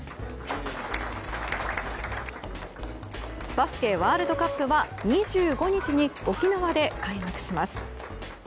バスケワールドカップは２５日に沖縄で開幕します。